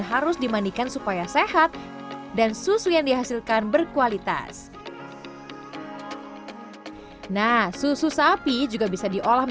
harus dimandikan supaya sehat dan susu yang dihasilkan berkualitas nah susu sapi juga bisa diolah